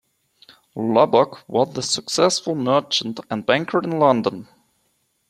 Lubbock was a successful merchant and banker in London.